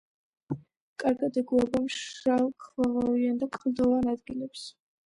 კარგად ეგუება მშრალ, ქვაღორღიან და კლდოვან ადგილებს.